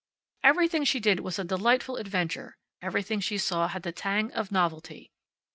Everything she did was a delightful adventure; everything she saw had the tang of novelty.